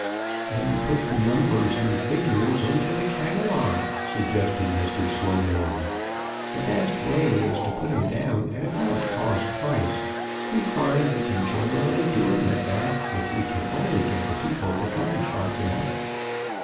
"And put the numbers and figures into the catalogue," suggested Mr. Sloman. "The best way is to put 'em down at about cost price. We find we can generally do 'em at that, if we can only get the people to come sharp enough."